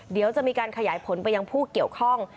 เดี๋ยวจะมีการขยายผลไปยังผู้เกี่ยวข้อง